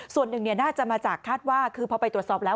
ส่วนหนึ่งน่าจะมาจากคาดว่าคือพอไปตรวจสอบแล้ว